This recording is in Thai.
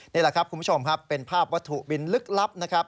นี่แหละครับคุณผู้ชมครับเป็นภาพวัตถุบินลึกลับนะครับ